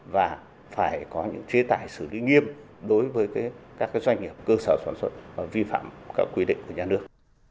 và phải có những chế tải xử lý nghiêm đối với các doanh nghiệp cơ sở sản xuất và vi phạm các quy định của nhà nước